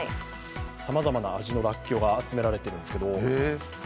さまざまな味のらっきょうが集められているんですけど。